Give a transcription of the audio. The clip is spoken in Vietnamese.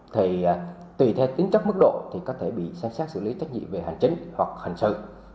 thì tùy theo tính chất mức độ thì có thể bị xem xét xử lý trách nhiệm về hành chính hoặc hành sự